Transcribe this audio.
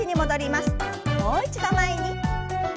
もう一度前に。